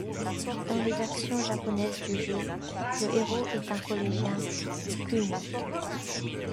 Dans les versions japonaises du jeu, le héros est un collégien, Kunio.